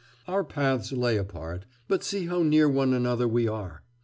Our paths lay apart but see how near one another we are.